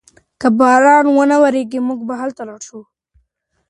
که باران و نه وریږي موږ به هلته لاړ شو.